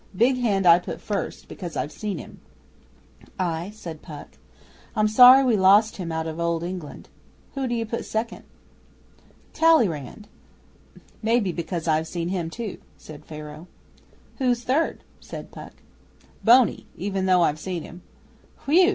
Big Hand I put first, because I've seen him.' 'Ay,' said Puck. 'I'm sorry we lost him out of Old England. Who d'you put second?' 'Talleyrand: maybe because I've seen him too,' said Pharaoh. 'Who's third?' said Puck. 'Boney even though I've seen him.' 'Whew!